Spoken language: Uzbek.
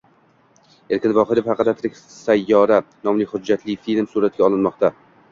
Erkin Vohidov haqida “Tirik sayyora” nomli hujjatli film suratga olinmoqda